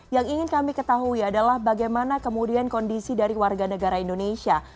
yang ingin kami ketahui adalah bagaimana kemudian kondisi dari warga negara indonesia